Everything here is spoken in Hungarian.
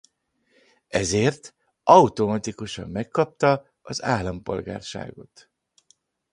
Ezért automatikusan megkapta az állampolgárságot.